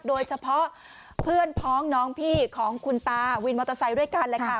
โดยเฉพาะเพื่อนพ้องน้องพี่ของคุณตาวินมอเตอร์ไซค์ด้วยกันแหละค่ะ